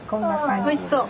おいしそう。